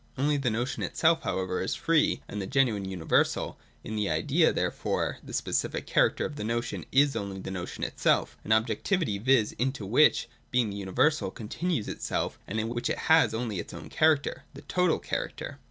Only the notion itself, however, is free and the genuine uni versal : in the Idea, therefore, the specific character of the notion is only the notion itself, — an objectivit}', viz. into which it, being the universal, continues itself, and in which it has onl}" its own character, the total character.